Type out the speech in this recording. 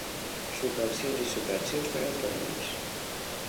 Subvencions i subvencions per a autònoms.